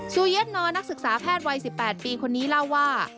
เย็นนอนักศึกษาแพทย์วัย๑๘ปีคนนี้เล่าว่า